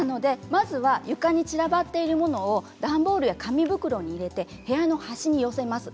床に散らばっているものを段ボールや紙袋に入れて部屋の端に置きます。